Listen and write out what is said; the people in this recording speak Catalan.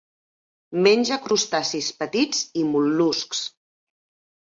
Menja crustacis petits i mol·luscs.